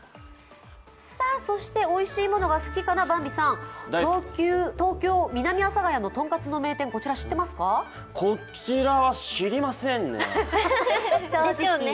そしておいしいものが好きかな、ヴァンビさん、東京・南阿佐ヶ谷のとんかつの名店、こちら知ってますか？でしょうね。